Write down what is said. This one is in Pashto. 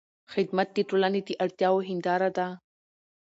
خدمت د ټولنې د اړتیاوو هنداره ده.